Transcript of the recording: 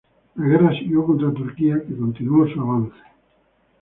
La guerra siguió contra Turquía, que continuó su avance.